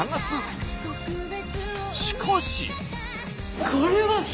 しかし。